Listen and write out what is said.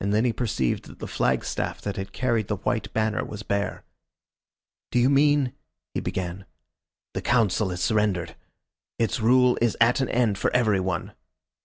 And then he perceived that the flagstaff that had carried the white banner was bare. "Do you mean ?" he began. "The Council has surrendered. Its rule is at an end for evermore."